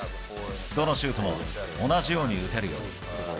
どのシュートも同じように打てるよ。